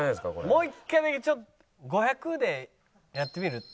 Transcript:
もう一回だけ５００でやってみる？